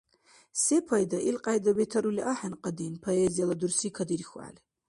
Сепайда, илкьяйда бетарули ахӀен кьадин поэзияла дурсри кадирхьухӀели.